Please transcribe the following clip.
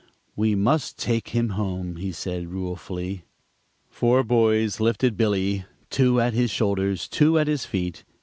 "We must take him home," he said, ruefully. Four boys lifted Billy, two at his shoulders, two at his feet.